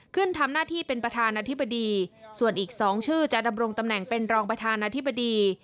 ขึ้นทำหน้าที่เป็นประธานาธิบดีส่วนอีก๒ชื่อจะดำรงตำแหน่งเป็นรองประธานาธิบดี